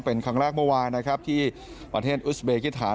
เป็นครั้งแรกเมื่อวานนะครับที่ประเทศอุสเบกิฐาน